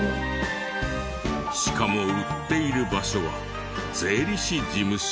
しかも売っている場所は税理士事務所。